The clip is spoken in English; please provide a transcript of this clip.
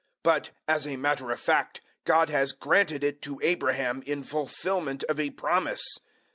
But, as a matter of fact, God has granted it to Abraham in fulfilment of a promise.